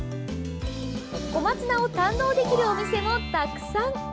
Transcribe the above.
小松菜を堪能できるお店もたくさん。